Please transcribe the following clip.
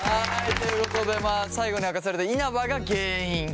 ということでまあ最後に明かされた稲葉が原因。